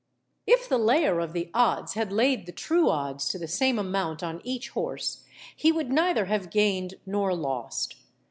If the layer of the odds had laid the true odds to the same amount on each horse, he would neither have gained nor lost.